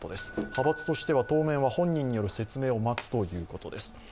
派閥としては当面は本人による説明を待つということです。